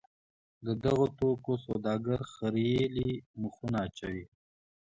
د دغو توکو سوداګر خریېلي مخونه اچوي.